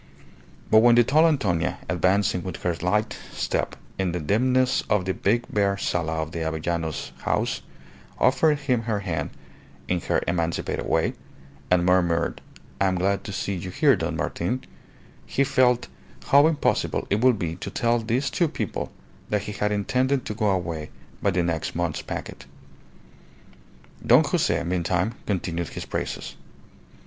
But when the tall Antonia, advancing with her light step in the dimness of the big bare Sala of the Avellanos house, offered him her hand (in her emancipated way), and murmured, "I am glad to see you here, Don Martin," he felt how impossible it would be to tell these two people that he had intended to go away by the next month's packet. Don Jose, meantime, continued his praises.